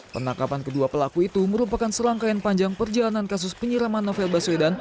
penangkapan kedua pelaku itu merupakan serangkaian panjang perjalanan kasus penyiraman novel baswedan